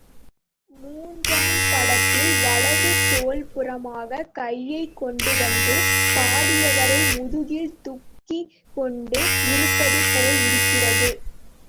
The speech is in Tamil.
மூன்றாம் படத்தில் வலது தோள்புறமாகக் கையைக் கொண்டு வந்து, பாடியவரை முதுகில் துக்கிக் கொண்டு இருப்பது போல் இருக்கிறது.